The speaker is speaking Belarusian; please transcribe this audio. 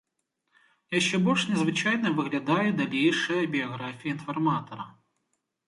Яшчэ больш незвычайнай выглядае далейшая біяграфія інфарматара.